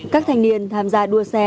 các thành niên tham gia đua xe